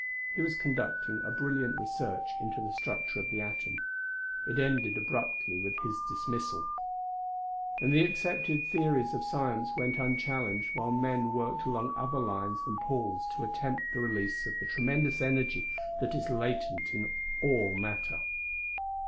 He was conducting a brilliant research into the structure of the atom; it ended abruptly with his dismissal. And the accepted theories of science went unchallenged, while men worked along other lines than Paul's to attempt the release of the tremendous energy that is latent in all matter.